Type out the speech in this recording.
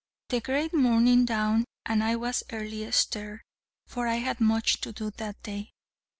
The great morning dawned, and I was early a stir: for I had much to do that day.